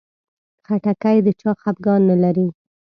خټکی د چا خفګان نه لري.